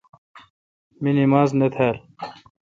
می نماز نہ تھال۔